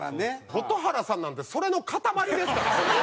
蛍原さんなんてそれの塊ですからホンマに。